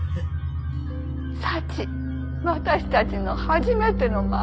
「サチ私たちの初めての孫」。